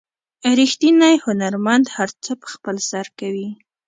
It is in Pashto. ریښتینی هنرمند هر څه په خپل سر کوي.